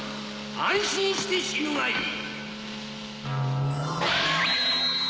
安心して死ぬがいい！